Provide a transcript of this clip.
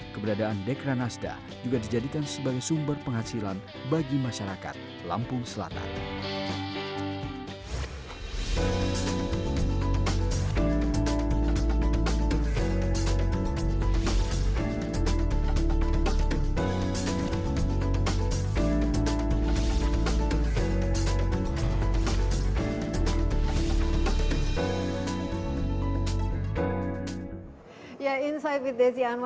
keberadaan dekranasda juga dijadikan sebagai sumber penghasilan bagi masyarakat lampung selatan